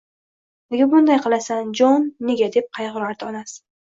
— Nega bunday qilasan, Jon, nega? — deb qayg‘urardi onasi.